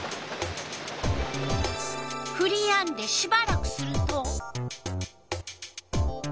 ふりやんでしばらくすると。